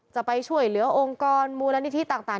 จะไปช่วยเหลือองค์กรมูลนิธิต่าง